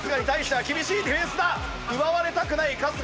奪われたくない春日。